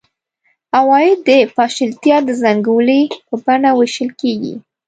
عواید د پاشلتیا د زنګولې په بڼه وېشل کېږي.